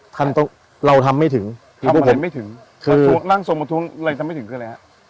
ทันต้องเราทำไม่ถึงทำไม่ถึงคือร่างทรงมาท้วงอะไรทำไม่ถึงคืออะไรฮะ